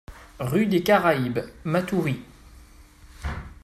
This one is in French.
Rue des Caraibes, Matoury